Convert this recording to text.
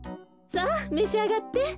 さあめしあがって。